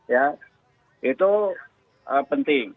ya itu penting